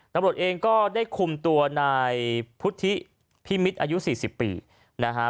ตำรวจเองก็ได้คุมตัวนายพุทธิพิมิตรอายุ๔๐ปีนะฮะ